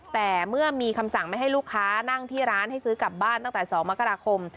แต่เมื่อมีคำสั่งไม่ให้ลูกค้านั่งที่ร้านให้ซื้อกลับบ้านตั้งแต่๒มกราคม